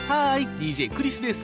ＤＪクリスです。